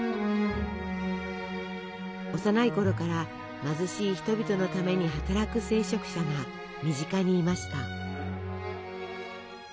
幼いころから貧しい人々のために働く聖職者が身近にいました。